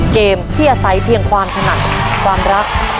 เกมที่อาศัยเพียงความถนัดความรัก